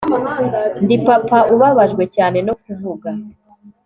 ndi papa ubabajwe cyane no kuvuga